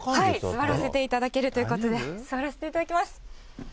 座らせていただけるということで、座らせていただきます。